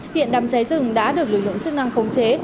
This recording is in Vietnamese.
hiện đám cháy rừng đã được lực lượng chức năng khống chế